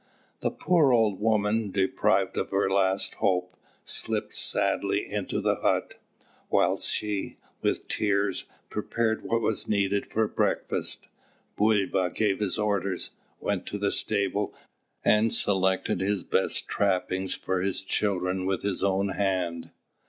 The poor old woman, deprived of her last hope, slipped sadly into the hut. Whilst she, with tears, prepared what was needed for breakfast, Bulba gave his orders, went to the stable, and selected his best trappings for his children with his own hand.